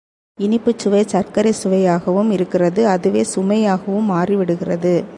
இனிப்புச்சுவை சர்க்கரை சுவையாகவும் இருக்கிறது அதுவே சுமையாகவும் மாறிவிடுகிறது.